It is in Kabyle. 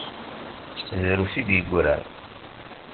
Drus i d-yeggran.